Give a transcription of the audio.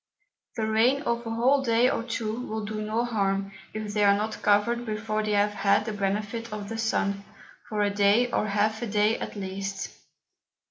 The Rain of a whole Day or two will do no harm, if they are not covered before they have had the Benefit of the Sun, for a Day, or half a Day at least.